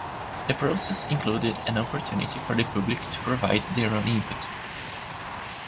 The process included an opportunity for the public to provide their own input.